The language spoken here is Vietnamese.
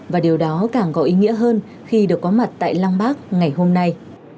và điều đó càng có ý nghĩa hơn khi được có mặt tại lăng bác ngày hôm nay